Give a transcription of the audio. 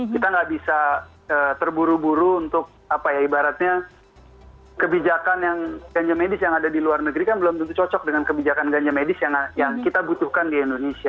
kita nggak bisa terburu buru untuk apa ya ibaratnya kebijakan yang ganja medis yang ada di luar negeri kan belum tentu cocok dengan kebijakan ganja medis yang kita butuhkan di indonesia